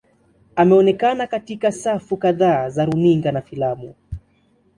Ameonekana katika safu kadhaa za runinga na filamu.